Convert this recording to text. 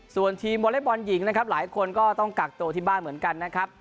ส่วนทีมวอเล็กบอลหญิงนะครับหลายคนก็ต้องกักตัวที่บ้านเหมือนกันนะครับ